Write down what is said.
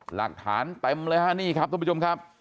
หลักฐานเต็มเลยครับทุกผู้ชมครับ